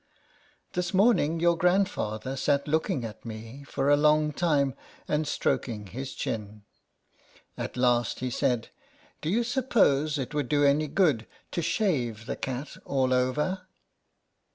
This morning your grandfather sat look ing at me for a long time and strok ing his chin : at last he said, " Do you suppose it would do any good to shave the cat all over